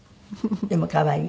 でも可愛い。